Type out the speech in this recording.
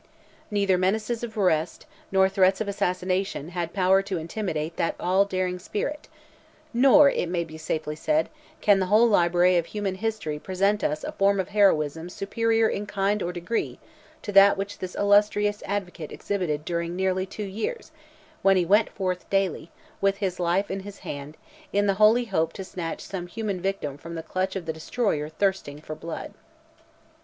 Neither menaces of arrest, nor threats of assassination, had power to intimidate that all daring spirit; nor, it may be safely said, can the whole library of human history present us a form of heroism superior in kind or degree to that which this illustrious advocate exhibited during nearly two years, when he went forth daily, with his life in his hand, in the holy hope to snatch some human victim from the clutch of the destroyer thirsting for his blood.